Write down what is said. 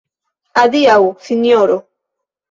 Adiaŭ, sinjoro.